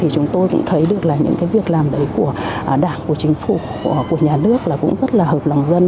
chúng tôi cũng thấy được là những việc làm đấy của đảng của chính phủ của nhà nước là cũng rất là hợp lòng dân